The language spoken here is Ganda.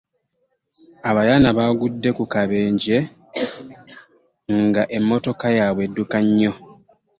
Abayana bagude ku kabenje nga emmotoka yabye edduka nnyo.